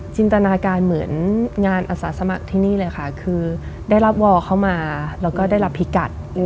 จินตนาการเหมือนงานอสาสมัครที่นี่เลยค่ะคือได้รับวอลเข้ามาแล้วก็ได้รับพิกัด